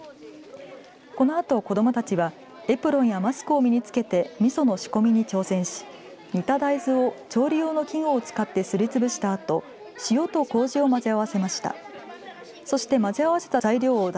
このあと子どもたちはエプロンやマスクを身につけてみその仕込みに挑戦し煮た大豆を調理用の器具にてすりつぶしたあと塩とこうじを混ぜ合わせました。